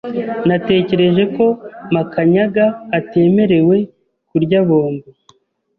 Natekereje ko Makanyaga atemerewe kurya bombo.